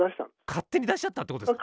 勝手に出しちゃったってことですか？